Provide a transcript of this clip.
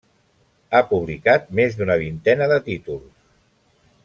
Ha publicat més d'una vintena de títols.